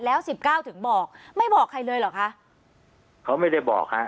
แล้วสิบเก้าถึงบอกไม่บอกใครเลยเหรอคะเขาไม่ได้บอกค่ะ